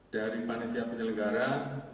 dari manitia penyelenggara